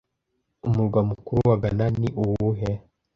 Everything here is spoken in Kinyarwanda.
Umurwa mukuru wa Gana ni uwuhe